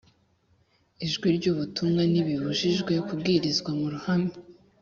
ijwi ry ubutumwa n ibibujijwe kubwirizwa mu ruhame